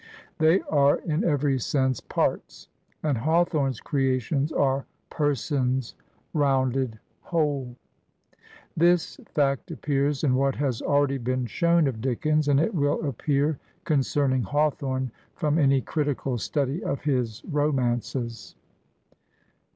They are, in every sense, parts, and Hawthorne's creations are persons, rounded, whole. This fact appears in what has already been shown of Dickens, and it will appear 162 Digitized by VjOOQIC HAWTHORNE^S HESTER PRYNNE concerning Hawthorne from any critical study of his romances.